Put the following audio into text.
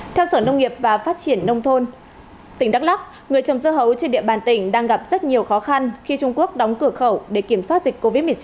theo sở nông nghiệp và phát triển nông thôn tỉnh đắk lắc người trồng dưa hấu trên địa bàn tỉnh đang gặp rất nhiều khó khăn khi trung quốc đóng cửa khẩu để kiểm soát dịch covid một mươi chín